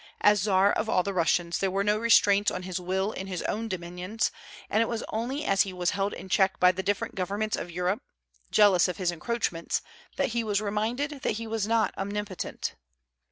As Czar of all the Russias there were no restraints on his will in his own dominions, and it was only as he was held in check by the different governments of Europe, jealous of his encroachments, that he was reminded that he was not omnipotent.